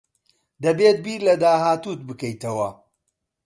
دەبێت بیر لە داهاتووت بکەیتەوە.